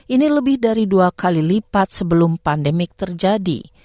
ini lebih dari dua kali lipat sebelum pandemik terjadi